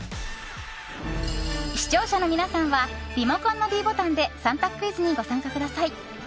視聴者の皆さんはリモコンのｄボタンで３択クイズにご参加ください。